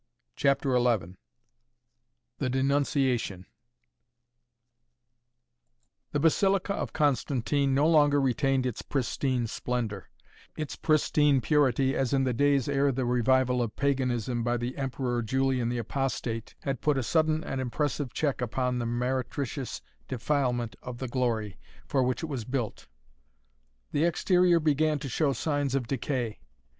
CHAPTER XI THE DENUNCIATION The Basilica of Constantine no longer retained its pristine splendor, its pristine purity as in the days, ere the revival of paganism by the Emperor Julian the Apostate had put a sudden and impressive check upon the meretricious defilement of the glory, for which it was built. The exterior began to show signs of decay.